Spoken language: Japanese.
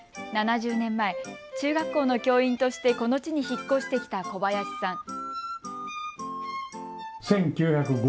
７０年前、中学校の教員としてこの地に引っ越してきた小林さん。